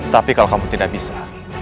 tapi kalau kamu tidak bisa